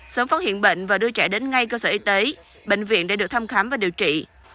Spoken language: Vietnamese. sớm phát hiện bệnh và đưa trẻ đến ngay cơ sở y tế bệnh viện để được thăm khám và điều trị